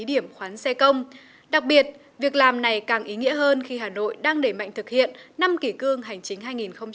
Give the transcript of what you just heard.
đặc biệt việc làm này càng ý nghĩa hơn khi hà nội đang đẩy mạnh thực hiện năm kỷ cương hành chính hai nghìn một mươi bảy